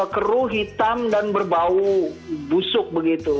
keruh hitam dan berbau busuk begitu